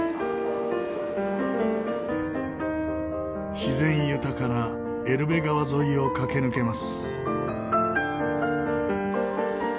自然豊かなエルベ川沿いを駆け抜けます。